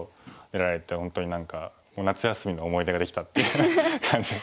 出られて本当に何か夏休みの思い出ができたっていう感じで。